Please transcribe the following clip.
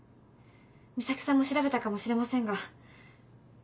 岬さんも調べたかもしれませんが。